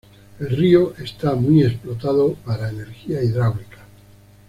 El río está muy explotado para energía hidráulica.